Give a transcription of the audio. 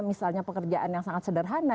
misalnya pekerjaan yang sangat sederhana